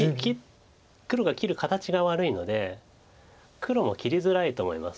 黒が切る形が悪いので黒も切りづらいと思います